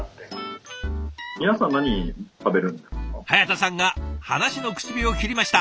早田さんが話の口火を切りました。